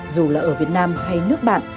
dù là ở việt nam hay nước bạn